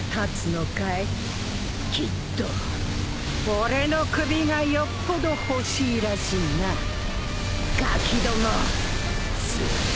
俺の首がよっぽど欲しいらしいなガキども。